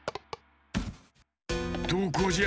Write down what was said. どこじゃ？